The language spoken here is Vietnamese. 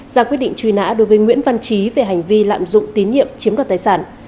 ra quyết định truy nã đối với nguyễn văn trí về hành vi lạm dụng tín nhiệm chiếm đoạt tài sản